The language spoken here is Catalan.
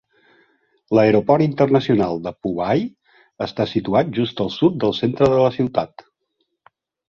L'aeroport internacional de Phu Bai està situat just al sud del centre de la ciutat.